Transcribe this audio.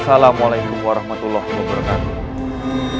assalamualaikum warahmatullahi wabarakatuh